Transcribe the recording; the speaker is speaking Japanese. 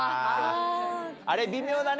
あれ微妙だね。